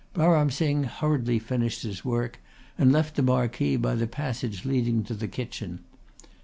Baram Singh hurriedly finished his work and left the marquee by the passage leading to the kitchen.